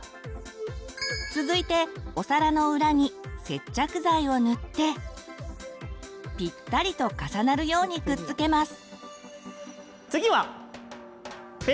続いてお皿の裏に接着剤を塗ってピッタリと重なるようにくっつけます。